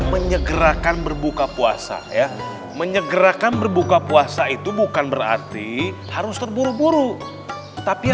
menyegerakan berbuka puasa ya menyegerakan berbuka puasa itu bukan berarti harus terburu buru tapi